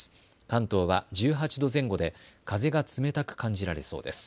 関東は１８度前後で風が冷たく感じられそうです。